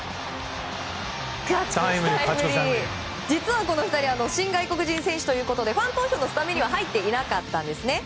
実は、この２人新外国人選手ということでファン投票のスタメンには入っていなかったんです。